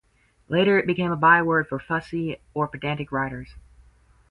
Later, it became a byword for fussy or pedantic writers.